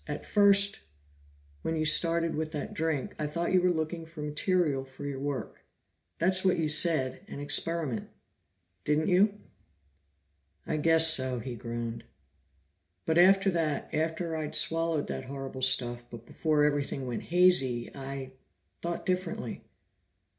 "At first, when you started with that drink, I thought you were looking for material for your work. That's what you said an experiment. Didn't you?" "I guess so," he groaned. "But after that, after I'd swallowed that horrible stuff, but before everything went hazy, I thought differently."